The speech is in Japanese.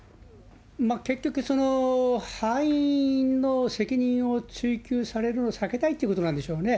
まあ、結局その敗因の責任を追及されるのを避けたいということなんでしょうね。